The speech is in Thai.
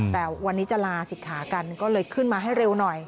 แต่วันนี้จะลาศิกขากันก็เลยขึ้นมาให้เร็วหน่อย